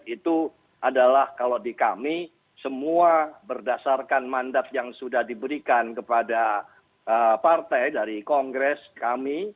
itu adalah kalau di kami semua berdasarkan mandat yang sudah diberikan kepada partai dari kongres kami